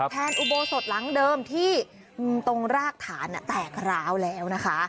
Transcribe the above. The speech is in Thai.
อุโบสถหลังเดิมที่ตรงรากฐานแตกร้าวแล้วนะคะ